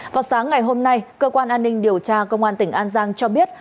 vào sáng ngày hôm nay cơ quan an ninh điều tra công an tỉnh an giang cho biết